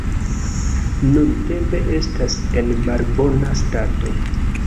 Nuntempe estas en malbona stato.